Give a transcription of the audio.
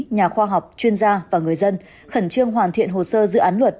nhà khoa học chuyên gia và người dân khẩn trương hoàn thiện hồ sơ dự án luật